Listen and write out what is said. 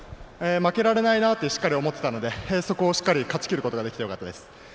負けられないなと思っていたのでそこをしっかり勝ちきることができてよかったです。